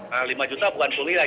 nah lima juta bukan pungli ya